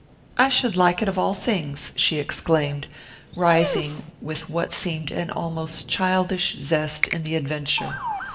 I should like it of all things," she exclaimed, rising with what seemed an almost childish zest in the adventure.